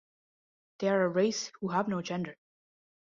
They are a race who have no gender.